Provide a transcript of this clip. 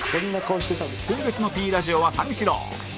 今月の Ｐ ラジオは三四郎